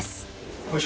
よいしょ。